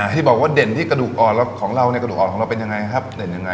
ที่บอกว่าเด่นที่กระดูกอ่อนแล้วของเราเนี่ยกระดูกอ่อนของเราเป็นยังไงครับเด่นยังไง